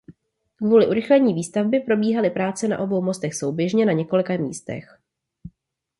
Kvůli urychlení výstavby probíhaly práce na obou mostech souběžně na několika místech.